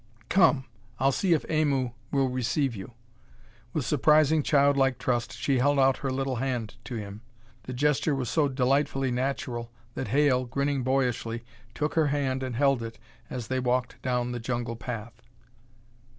"Come; I'll see if Aimu will receive you." With surprising, childlike trust, she held out her little hand to him. The gesture was so delightfully natural that Hale, grinning boyishly, took her hand and held it as they walked down the jungle path.